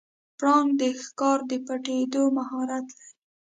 پړانګ د ښکار د پټیدو مهارت لري.